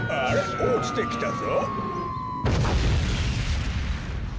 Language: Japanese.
おちてきたぞ。